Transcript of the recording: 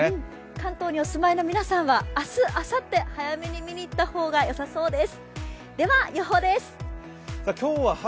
関東にお住まいの皆さんは明日、あさって、早めに見にいった方がよさそうです。